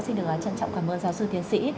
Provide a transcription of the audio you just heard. xin được trân trọng cảm ơn giáo sư tiến sĩ